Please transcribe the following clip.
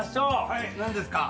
はい何ですか？